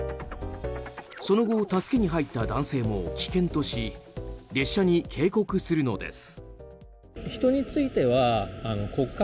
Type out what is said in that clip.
その後、助けに入った男性も危険とし列車に警告するのです。